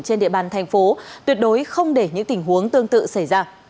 trên địa bàn thành phố tuyệt đối không để những tình huống tương tự xảy ra